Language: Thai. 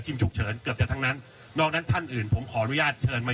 ฉุกเฉินเกือบจะทั้งนั้นนอกนั้นท่านอื่นผมขออนุญาตเชิญมา